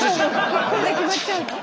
もうこれで決まっちゃうの？